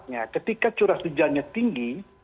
ya ketika curah hujannya tinggi